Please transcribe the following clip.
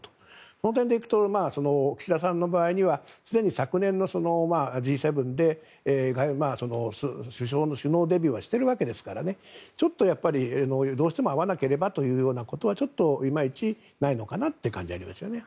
そういう点で行くと岸田さんの場合は昨年のＧ７で首相の首脳デビューはしているわけですからどうしても会わなければということはいまいち、ないのかなという感じはありましたね。